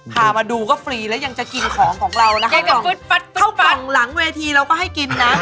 พามาดูก็ฟรีแล้วยังจะกินของของเรานะคะเข้าฝั่งหลังเวทีเราก็ให้กินนะ